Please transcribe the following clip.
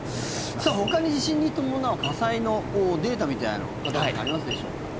ほかに地震に伴う火災のデータみたいなもの片岡さん、ありますでしょうか？